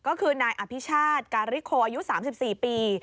ก็คือนายอภิชาติการิโคอายุ๓๔ปี